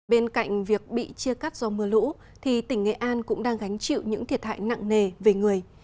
bên cạnh việc bị chia cắt do mưa lũ thì tỉnh nghệ an cũng đang gánh chịu những thiệt hại nặng nề về người